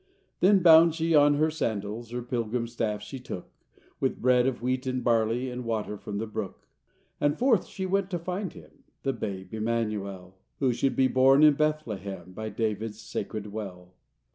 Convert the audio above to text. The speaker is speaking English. Then bound she on her sandals, Her pilgrim staff she took; With bread of wheat and barley, And water from the brook; And forth she went to find Him— The babe Emmanuel, Who should be born in Bethlehem By David’s sacred well.